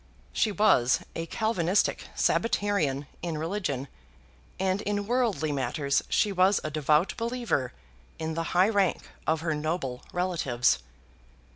She was a Calvinistic Sabbatarian in religion, and in worldly matters she was a devout believer in the high rank of her noble relatives.